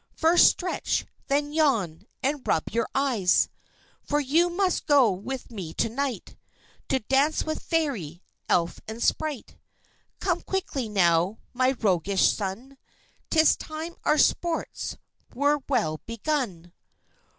First stretch, then yawn, and rub your eyes. For you must go with me to night To dance with Fairy, Elf, and Sprite. Come quickly now, my roguish son, 'Tis time our sports were well begun.